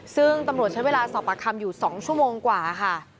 ซึ่งตำรวจใช้เวลาสอบปากคำอยู่๒ชั่วโมงกว่าค่ะ